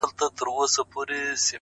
o نور مي له سترگو څه خوبونه مړه سول؛